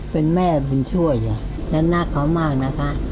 เป็นแม่บุญช่วยและรักเขามากนะคะ